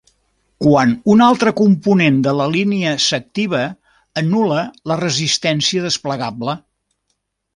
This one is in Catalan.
Quan un altre component de la línia s'activa, anul·la la resistència desplegable.